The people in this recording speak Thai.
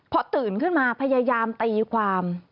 พอตื่นขึ้นมาพยายามตีความ